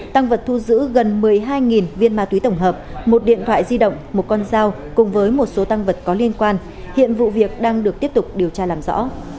tăng vật thu giữ gần một mươi hai viên ma túy tổng hợp một điện thoại di động một con dao cùng với một số tăng vật có liên quan hiện vụ việc đang được tiếp tục điều tra làm rõ